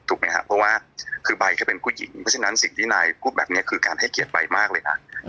ครับเพราะว่าคือใบก็เป็นผู้หญิงเพราะฉะนั้นสิ่งที่นายพูดแบบนี้คือการให้เกียรติใบมากเลยนะ